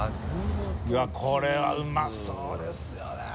うわっこれはうまそうですよね。